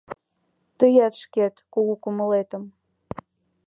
Тыят шкет куку кумылетым